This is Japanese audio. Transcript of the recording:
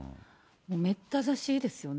めった刺しですよね。